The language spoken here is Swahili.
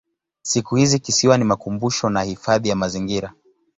Siku hizi kisiwa ni makumbusho na hifadhi ya mazingira.